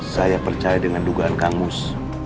saya percaya dengan dugaan kang mus